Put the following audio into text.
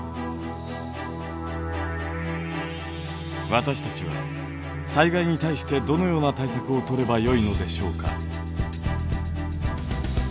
私たちは災害に対してどのような対策を取ればよいのでしょうか。